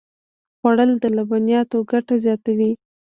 خوړل د لبنیاتو ګټه زیاتوي